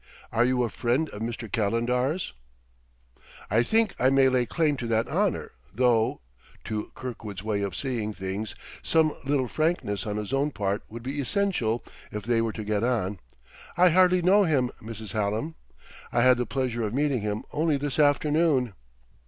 Are you a friend of Mr. Calendar's?" "I think I may lay claim to that honor, though" to Kirkwood's way of seeing things some little frankness on his own part would be essential if they were to get on "I hardly know him, Mrs. Hallam. I had the pleasure of meeting him only this afternoon."